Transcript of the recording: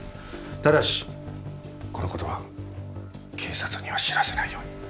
ただしこの事は警察には知らせないように。